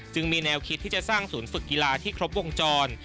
มีแนวคิดที่จะสร้างศูนย์ฝึกกีฬาที่ครบวงจร